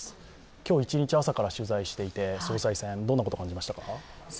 今日一日、朝から取材していて総裁選、どんなことを感じましたか？